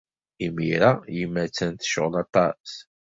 Imir-a, yemma attan tecɣel aṭas.